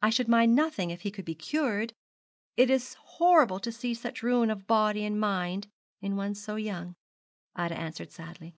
'I should mind nothing if he could be cured. It is horrible to see such ruin of body and mind in one so young,' Ida answered sadly.